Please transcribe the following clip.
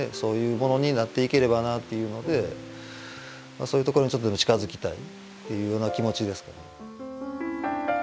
そういうところにちょっとでも近づきたいというような気持ちですかね。